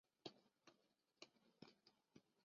长津湖战役